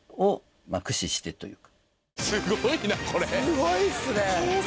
すごいっすね。